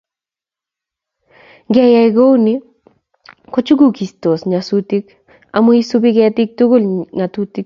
Ngreyai kouni kochuchukokistos nyasutik amu isubi ketik tugul ngatutik